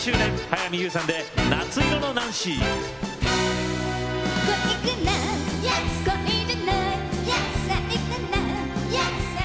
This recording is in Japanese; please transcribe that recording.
早見優さんで「夏色のナンシー」。